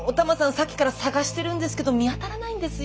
さっきから捜してるんですけど見当たらないんですよ。